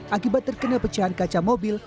akibat terkena pecahan kaca mobil